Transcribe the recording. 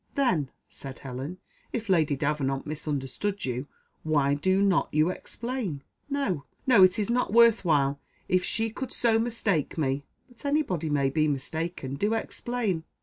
"Then," said Helen, "if Lady Davenant misunderstood you, why do not you explain?" "No, no it is not worth while, if she could so mistake me." "But any body may be mistaken; do explain."